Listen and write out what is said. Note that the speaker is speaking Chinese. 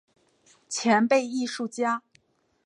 前辈艺术家